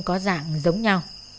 có dạng giống nhau